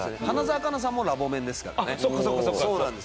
花澤香菜さんもラボメンですからね。